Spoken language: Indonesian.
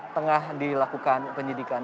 tengah dilakukan penyidikan